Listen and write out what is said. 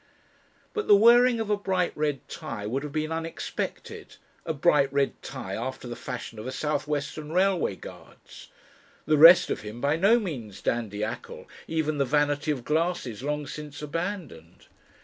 But the wearing of a bright red tie would have been unexpected a bright red tie after the fashion of a South Western railway guard's! The rest of him by no means dandiacal, even the vanity of glasses long since abandoned.